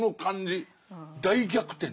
大逆転。